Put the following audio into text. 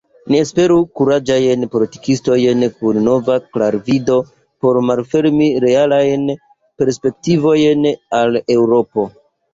Ni esperu kuraĝajn politikistojn kun nova klarvido por malfermi realajn perspektivojn al Eŭropo.